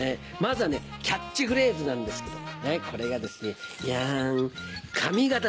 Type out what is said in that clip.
まずはねキャッチフレーズなんですけどこれがですねジャン。